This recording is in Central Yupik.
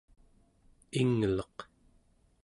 ingleq